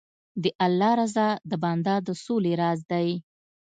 د الله رضا د بنده د سولې راز دی.